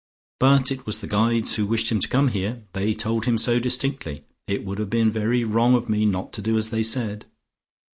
But it was the Guides who wished him to come here; they told him so distinctly. It would have been very wrong of me not to do as they said."